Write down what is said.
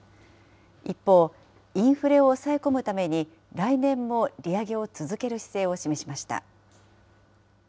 一方、インフレを抑え込むために、来年も利上げを続ける姿勢を示しました。